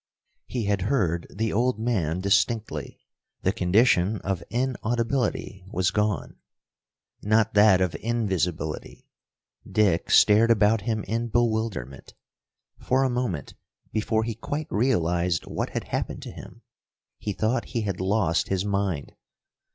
He had heard the old man distinctly. The condition of inaudibility was gone. Not that of invisibility. Dick stared about him in bewilderment. For a moment, before he quite realized what had happened to him, he thought he had lost his mind.